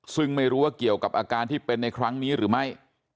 ซึ่งไม่รู้ว่าเกี่ยวกับอาการที่เป็นในครั้งนี้หรือไม่